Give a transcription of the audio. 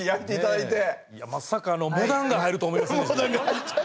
いやまさかモダンが入ると思いませんでした。